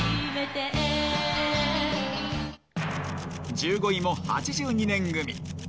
１５位も８２年組。